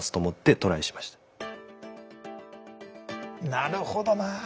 なるほどな。